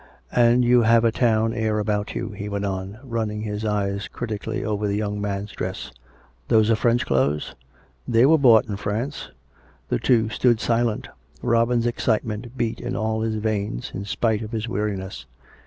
And you have a town air about you," he went on, running his eyes critically over the young man's dress. " Those are French clothes? "" They were bought in France." The two stood silent. Robin's excitement beat in all his veinsj in spite of his weariness.